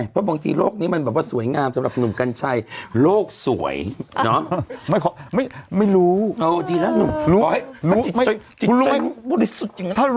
คนที่ไม่รู้เนี่ยฉลาดที่สุด